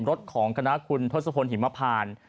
รถของคณะคุณทศพลหิมพาน